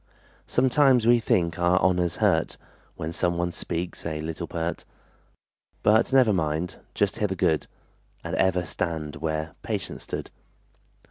Sometimes we think our honor's hurt When some one speaks a little pert; But never mind, just hear the good, And ever stand where Patience stood.